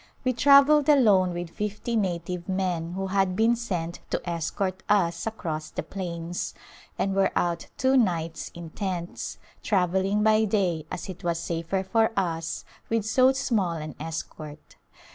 We travelled alone with fifty native men who had been sent to escort us across the plains, and were out two nights in tents, travelling by day as it was safer for us with so small an escort.